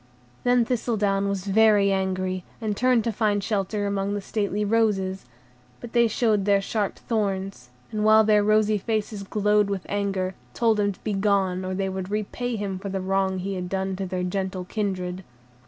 Then Thistledown was very angry, and turned to find shelter among the stately roses; but they showed their sharp thorns, and, while their rosy faces glowed with anger, told him to begone, or they would repay him for the wrong he had done their gentle kindred.